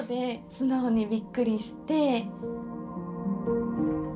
素直にびっくりして。